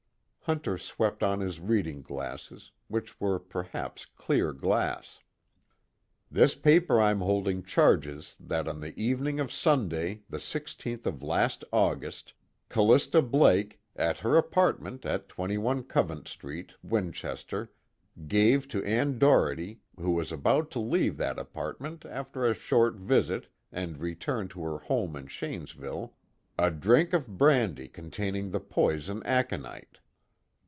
Hunter swept on his reading glasses, which were perhaps clear glass. "This paper I'm holding charges that on the evening of Sunday, the 16th of last August, Callista Blake, at her apartment at 21 Covent Street, Winchester, gave to Ann Doherty, who was about to leave that apartment after a short visit and return to her home in Shanesville, a drink of brandy containing the poison aconite.